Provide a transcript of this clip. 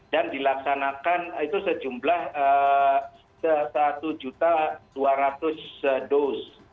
dan dilaksanakan itu sejumlah satu dua ratus dos